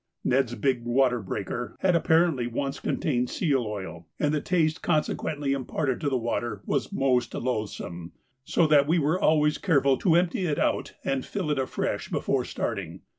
Ned's big water breaker had apparently once contained seal oil, and the taste consequently imparted to the water was most loathsome, so that we were always careful to empty it out and fill it afresh before starting.